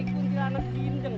ini kundi anak gini jeng